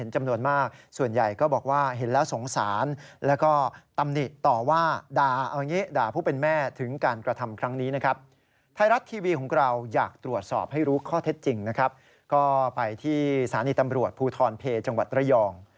จังหวัดระยอง